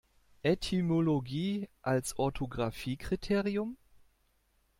Etymologie als Orthographiekriterium?